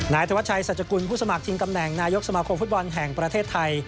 ธวัชชัยสัจกุลผู้สมัครชิงตำแหน่งนายกสมาคมฟุตบอลแห่งประเทศไทย